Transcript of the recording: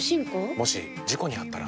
もし事故にあったら？